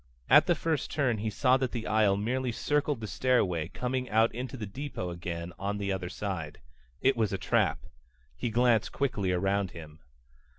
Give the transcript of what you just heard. At the first turn he saw that the aisle merely circled the stairway, coming out into the depot again on the other side. It was a trap. He glanced quickly around him.